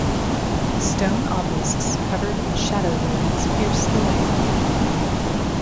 Stone obelisks covered in Shadow Runes pierce the land.